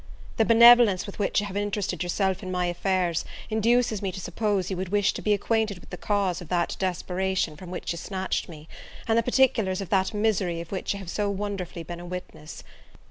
The benevolence with which you have interested yourself in my affairs, induces me to suppose you would wish to be acquainted with the cause of that desperation from which you snatched me, and the particulars of that misery of which you have so wonderfully been a witness.